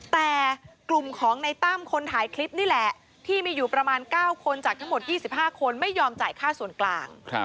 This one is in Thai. แต่กลุ่มของในตั้มคนถ่ายคลิปนี่แหละที่มีอยู่ประมาณ๙คนจากทั้งหมด๒๕คนไม่ยอมจ่ายค่าส่วนกลาง